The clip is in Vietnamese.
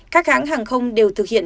các hãng hàng không đều thực hiện